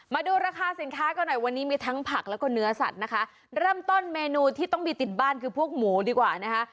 มาดูราคาสินค้ากันหน่อยวันนี้มีทั้งผักแล้วก็เนื้อสัตว์นะคะเริ่มต้นเมนูที่ต้องมีติดบ้านคือพวกหมูดีกว่านะคะ